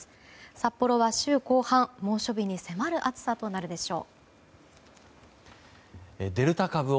札幌は週後半、猛暑日に迫る暑さとなるでしょう。